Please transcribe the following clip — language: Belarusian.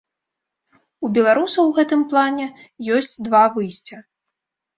У беларусаў у гэтым плане ёсць два выйсця.